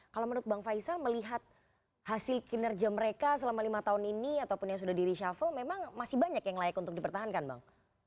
kalau menurut bang faisal melihat hasil kinerja mereka selama lima tahun ini ataupun yang sudah di reshuffle memang masih banyak yang layak untuk dipertahankan bang